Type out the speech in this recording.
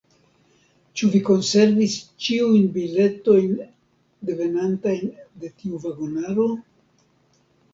Ĉu vi konservis ĉiujn biletojn devenantajn de tiu vagonaro?